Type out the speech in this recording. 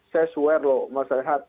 saya sware loh mas rehat